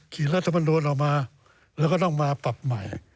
คิดว่าแล้วมันโดนออกมาแล้วมาปรับใหม่